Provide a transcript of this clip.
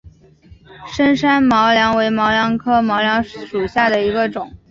深山毛茛为毛茛科毛茛属下的一个种。